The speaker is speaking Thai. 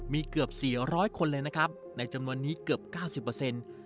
มีเกือบ๔๐๐คนเลยนะครับในจำนวนนี้เกือบเก้าสิบเปอร์เซ็นต์